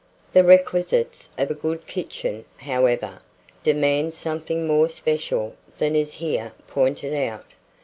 The requisites of a good kitchen, however, demand something more special than is here pointed out.